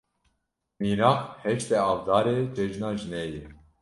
Mînak, heştê Avdarê Cejna Jinê ye.